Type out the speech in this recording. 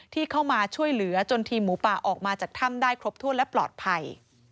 ที่เข้ามาช่วยเหลือจนทีมหมูป่าออกมาจากถ้ำได้ครบถ้วนและปลอดภัย